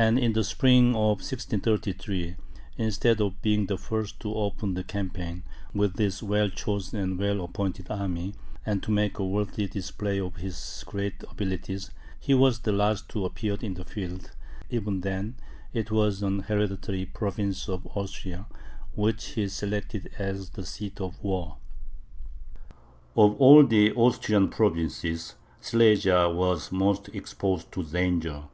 And in the spring of 1633, instead of being the first to open the campaign, with this well chosen and well appointed army, and to make a worthy display of his great abilities, he was the last who appeared in the field; and even then, it was an hereditary province of Austria, which he selected as the seat of war. Of all the Austrian provinces, Silesia was most exposed to danger.